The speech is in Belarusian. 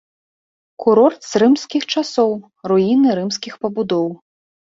Курорт з рымскіх часоў, руіны рымскіх пабудоў.